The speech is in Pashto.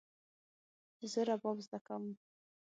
زه رباب زده کوم